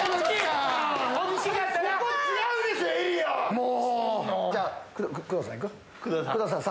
もう！